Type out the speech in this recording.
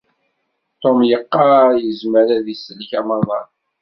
Tom yeqqar yezmer ad d-isellek amaḍal.